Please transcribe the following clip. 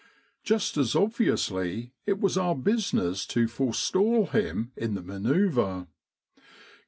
Just as obviously it was our business to forestall him in the manoeuvre.